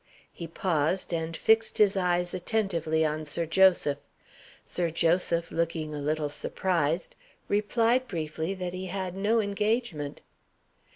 He paused, and fixed his eyes attentively on Sir Joseph. Sir Joseph, looking a little surprised, replied briefly that he had no engagement.